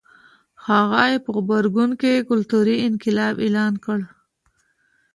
هغه یې په غبرګون کې کلتوري انقلاب اعلان کړ.